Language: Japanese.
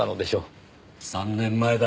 ３年前だ。